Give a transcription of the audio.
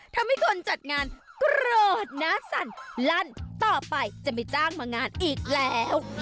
ทำให้คนจัดงานโกรธนะสั่นลั่นต่อไปจะไม่จ้างมางานอีกแล้ว